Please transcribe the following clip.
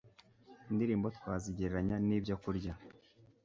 indirimbo twazigereranya n'ibyokurya